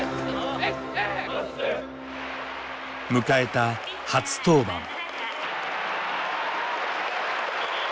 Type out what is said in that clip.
迎えた初登板。